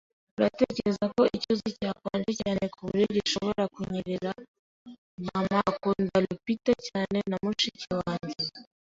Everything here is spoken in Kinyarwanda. Uratekereza ko icyuzi cyakonje cyane kuburyo gishobora kunyerera? Mama akunda tulipa cyane na mushiki wanjye.